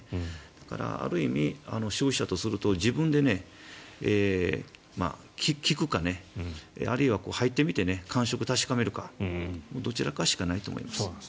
だから、ある意味消費者とすると、自分で聞くかあるいは入ってみて感触を確かめるかどちらかしかないと思います。